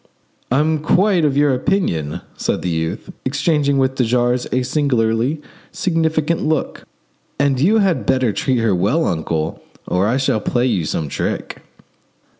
"I'm quite of your opinion," said the youth; exchanging with de jars a singularly significant look; "and you had better treat her well, uncle, or I shall play you some trick."